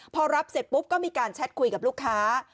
พอรับเสร็จปุ๊บก็มีการแชทคุยกับลูกค้า